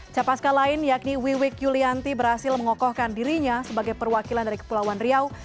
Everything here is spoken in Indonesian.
capaska lain yakni wiwik yulianti berhasil mengokohkan dirinya sebagai perwakilan dari kepulauan riau